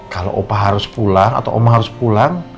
kalau opa harus pulang atau oma harus pulang